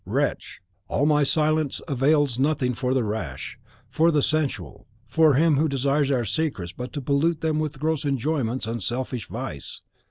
Wretch! all my silence avails nothing for the rash, for the sensual, for him who desires our secrets but to pollute them to gross enjoyments and selfish vice.